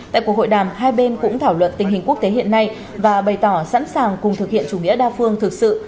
tại cuộc hội đàm hai bên cũng thảo luận tình hình quốc tế hiện nay và bày tỏ sẵn sàng cùng thực hiện chủ nghĩa đa phương thực sự